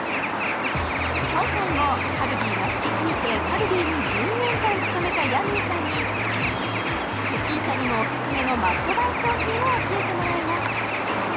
今回もカルディが好きすぎてカルディに１２年間勤めたヤミーさんに初心者にもオススメのマストバイ商品を教えてもらいます